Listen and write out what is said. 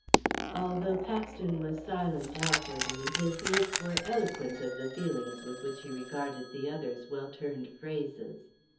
Although Paxton was silent outwardly, his looks were eloquent of the feelings with which he regarded the other's well turned phrases.